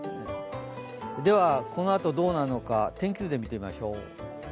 では、このあとどうなるのか、天気図で見てみましょう。